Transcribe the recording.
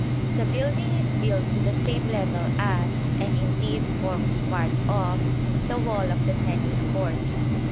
The building is built to the same level as, and indeed forms part of, the wall of the Tennis Court.